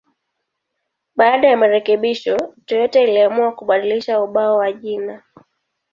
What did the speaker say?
Baada ya marekebisho, Toyota iliamua kubadilisha ubao wa jina.